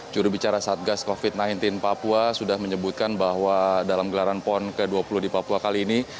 jurubicara satgas covid sembilan belas papua sudah menyebutkan bahwa dalam gelaran pon ke dua puluh di papua kali ini